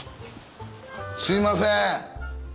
すいません。